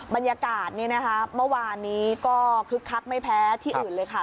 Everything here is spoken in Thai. บรรยากาศเมื่อวานนี้ก็คึกคักไม่แพ้ที่อื่นเลยค่ะ